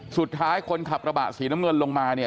สุดท้ายคนขับระบะสีน้ำเงินลงมาเนี่ย